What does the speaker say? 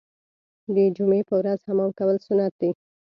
د جمعې په ورځ حمام کول سنت دي.